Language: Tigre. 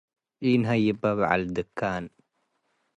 ኢነሀይበ በዐል ድካን